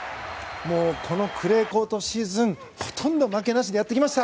このクレーコートシーズンほとんど負けなしでやってきました。